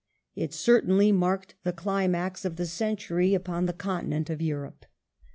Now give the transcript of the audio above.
It cer tainly marked the climax of the century upon the Continent of Europe.